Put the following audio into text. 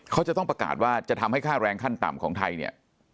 เขาจะต้องประกาศว่าจะทำให้ค่าแรงขั้นต่ำของไทยเนี่ย